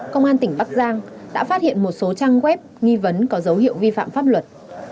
công an tỉnh bắc giang đã phát hiện một số trang web nghi vấn có dấu hiệu vi phạm pháp luật